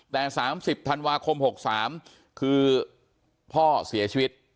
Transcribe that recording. แต่๓๐ธันวาคม๖๓คือพ่อเสียชีวิต